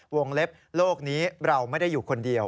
วงเล็บโลกนี้เราไม่ได้อยู่คนเดียว